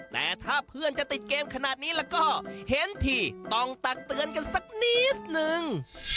แต่ถ้าเพื่อนจะติดเกมขนาดนี้แล้วก็เห็นทีต้องตักเตือนกันสักนิดนึง